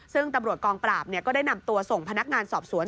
ซึ่งตำรวจกองปราบก็ได้นำตัวส่งพนักงานสอบสวน